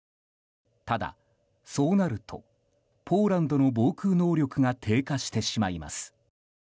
ただ、そうなるとポーランドの防空能力が低下してしまいます。